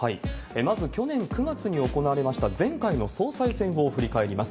まず去年９月に行われました前回の総裁選を振り返ります。